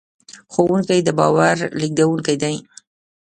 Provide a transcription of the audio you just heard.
ښوونکي د باور لېږدونکي دي.